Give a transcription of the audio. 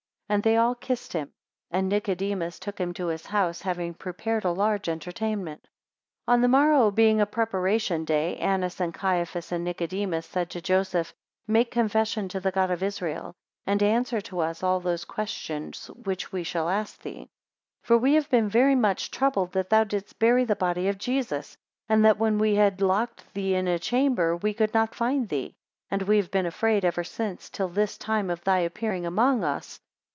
13 And they all kissed him; and Nicodemus took him to his house, having prepared a large entertainment. 17 But on the morrow, being a preparation day, Annas, and Caiaphas, and Nicodemus, said to Joseph, Make confession to the God of Israel, and answer to us all those questions which we shall ask thee; 18 For we have been very much troubled, that thou didst bury the body of Jesus; and that when we had locked thee in a chamber, we could not find thee; and we have been afraid ever since, till this time of thy appearing among us.